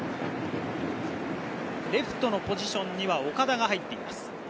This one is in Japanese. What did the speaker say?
レフトのポジションには岡田が入っています。